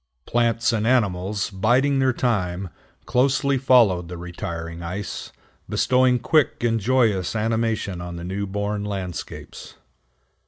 Plants and animals, biding their time, closely followed the retiring ice, bestowing quick and joyous animation on the new born landscapes.